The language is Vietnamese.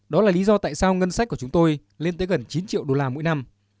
đó là lý do tại sao ngân sách của chúng tôi lên tới gần chín triệu đô la mỗi năm